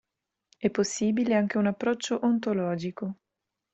È possibile anche un approccio ontologico.